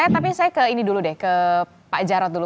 tapi saya ke ini dulu deh ke pak jarod dulu